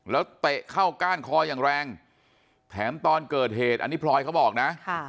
แล้วเตะเข้าก้านคออย่างแรงแถมตอนเกิดเหตุอันนี้พลอยเขาบอกนะ